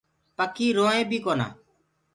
پکي روئينٚ بي ڪونآ۔